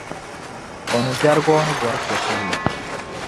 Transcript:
O ni dargi o ni bɔri so tibli.